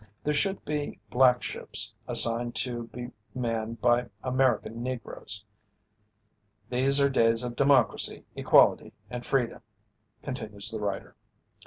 "There should be 'black ships' assigned to be manned by American Negroes. These are days of democracy, equality and freedom," continues the writer.